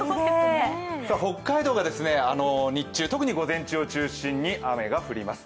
北海道が日中、特に午前中を中心に雨が降ります。